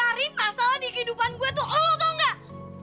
yang nyari masalah di kehidupan gue tuh lo tau gak